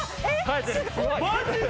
マジで？